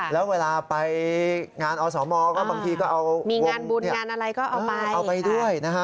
แล้วเวลาไปงานอสมก็บางทีก็เอามีงานบุญงานอะไรก็เอาไปเอาไปด้วยนะฮะ